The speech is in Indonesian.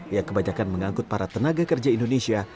yang kebanyakan mengangkut para tenaga kerja indonesia